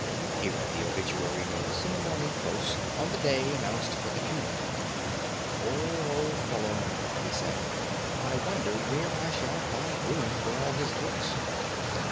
He read the obituary notice in the Morning Post on the day announced for the funeral. "Poor old fellow!" he said. "I wonder where I shall find room for all his books."